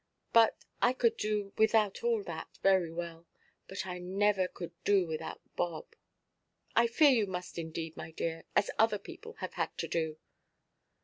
But I could do without all that very well, but I never could do without Bob." "I fear you must, indeed, my dear. As other people have had to do."